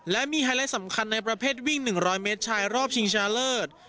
และมีไฮไลท์สำคัญในประเภทวิ่ง๑๐๐เมตรชายรอบชิงชนะเลิศ